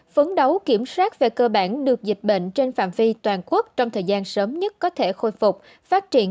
phấn đấu kiểm soát về cơ bản được dịch bệnh trên phạm vi toàn quốc trong thời gian sớm nhất